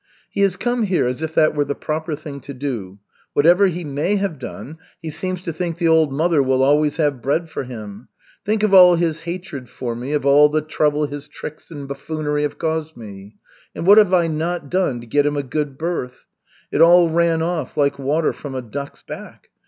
"He has come here as if that were the proper thing to do. Whatever he may have done, he seems to think the old mother will always have bread for him. Think of all his hatred for me, of all the trouble his tricks and buffoonery have caused me. And what have I not done to get him a good berth? It all ran off like water from a duck's back.